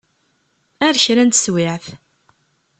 Ar kra n teswiɛt.